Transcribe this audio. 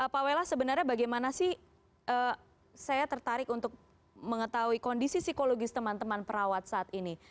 pak welas sebenarnya bagaimana sih saya tertarik untuk mengetahui kondisi psikologis teman teman perawat saat ini